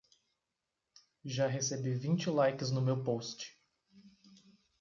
Já recebi vinte likes no meu post